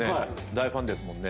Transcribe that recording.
大ファンですもんね。